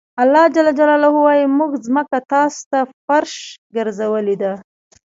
الله ج وایي موږ ځمکه تاسو ته فرش ګرځولې ده.